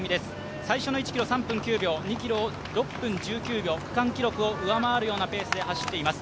最初の１ｋｍ３分９秒、２ｋｍを６分１９秒、区間記録を上回るようなペースで走っています。